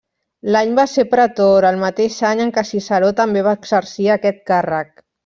L'any va ser pretor, el mateix any en què Ciceró també va exercir aquest càrrec.